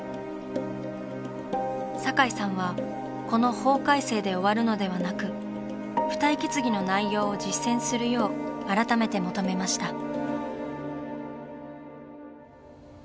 堺さんはこの法改正で終わるのではなく附帯決議の内容を実践するよう改めて求めました。